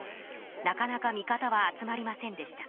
なかなか味方は集まりませんでした。